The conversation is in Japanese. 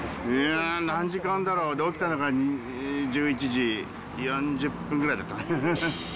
うーん、何時間だろう、起きたのが１１時４０分ぐらいだった。